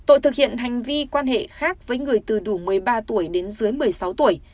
tội thực hiện hành vi quan hệ khác với người từ đủ một mươi ba tuổi đến dưới một mươi sáu tuổi